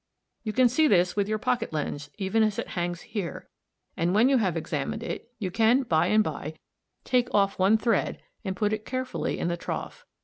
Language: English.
You can see this with your pocket lens even as it hangs here, and when you have examined it you can by and by take off one thread and put it carefully in the trough.